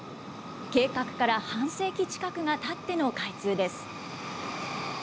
計画から半世紀近くがたっての開通です。